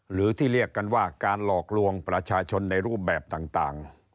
หรือที่เรียกกันว่าการหลอกลวงประชาชนในรูปแบบต่าง